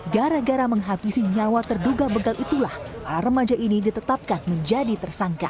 gara gara menghabisi nyawa terduga begal itulah para remaja ini ditetapkan menjadi tersangka